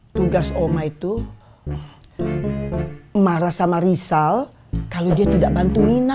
tugas oma itu marah sama risal kalau dia tidak bantu nina